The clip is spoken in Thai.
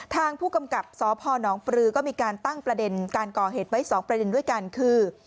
ทางผู้กำกับสพนปรือก็มีการตั้งประเด็นการก่อเหตุไว้๒ประเด็นด้วยกันคือ